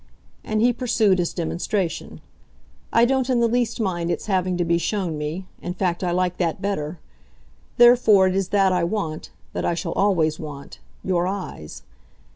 And he pursued his demonstration. "I don't in the least mind its having to be shown me in fact I like that better. Therefore it is that I want, that I shall always want, your eyes.